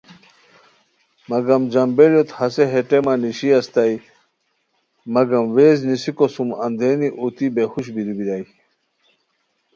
مگم جامبیلوت ہسے ہے ٹیمہ نیشی استائے مگم ویز نیسیکو سُم اندرینی اوتی بے ہوش بیرو بیرائے